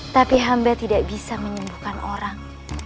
tapi hamba tidak bisa menyembuhkan orang